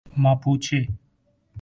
Mapuche